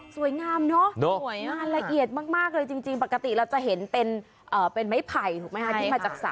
สวยงามเนอะงานละเอียดมากเลยจริงปกติเราจะเห็นเป็นไม้ไผ่ถูกไหมคะที่มาจากสระ